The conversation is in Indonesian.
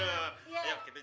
ayo kita jalan jalan dulu